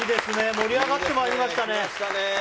盛り上がってまいりましたね。